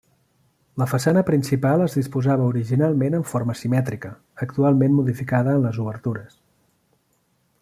La façana principal es disposava originalment en forma simètrica, actualment modificada en les obertures.